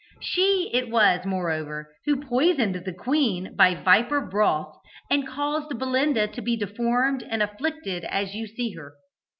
She it was, moreover, who poisoned the queen by viper broth, and caused Belinda to be deformed and afflicted as you see her.